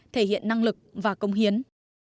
thể hiện năng lực và công hiến